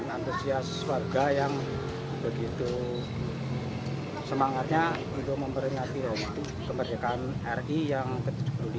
antusias warga yang begitu semangatnya untuk memperingati roti kemerdekaan ri yang ke tujuh puluh lima